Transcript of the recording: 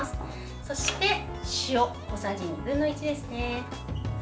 そして塩、小さじ２分の１ですね。